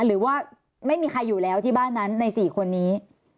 หรือว่าไม่มีใครอยู่แล้วที่บ้านนั้นใน๔คนนี้